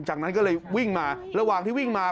จากนั้นก็เลยวิ่งมาระหว่างที่วิ่งมา